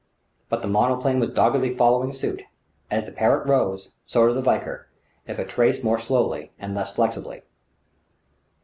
But the monoplane was doggedly following suit; as the Parrott rose, so did the Valkyr, if a trace more slowly and less flexibly.